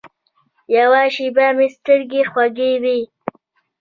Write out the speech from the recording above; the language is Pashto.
یوه شېبه مې سترګې خوږې وې.